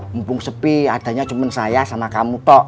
mumpung sepi adanya cuman saya sama kamu kok